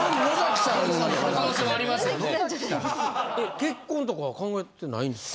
結婚とかは考えてないんですか？